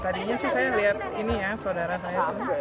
tadinya sih saya lihat ini ya saudara saya itu